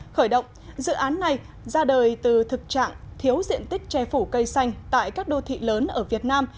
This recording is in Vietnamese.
khởi động dự án này ra đời từ thực trạng thiếu diện tích che phủ cây xanh tại các đô thị lớn ở việt nam